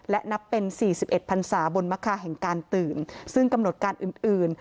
และนับเป็น๔๑พันศาบนมะคาแห่งการตื่นซึ่งกำหนดการอื่นอื่น